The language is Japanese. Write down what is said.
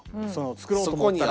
作ろうと思ったら。